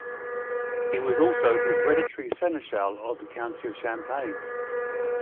He was also the hereditary seneschal of the County of Champagne.